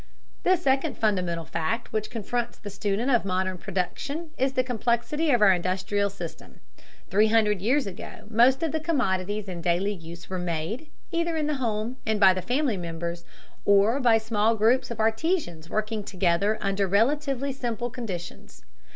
The second fundamental fact which confronts the student of modern production is the complexity of our industrial system. Three hundred years ago most of the commodities in daily use were made, either in the home and by the family members, or by small groups of artisans working together under relatively simple conditions.